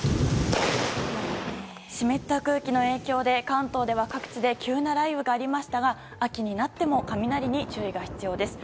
湿った空気の影響で関東では各地で急な雷雨がありましたが秋になっても雷に注意が必要です。